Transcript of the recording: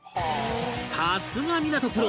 さすが湊プロ！